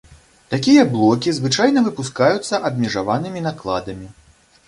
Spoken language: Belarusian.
Такія блокі звычайна выпускаюцца абмежаванымі накладамі.